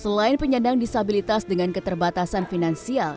selain penyandang disabilitas dengan keterbatasan finansial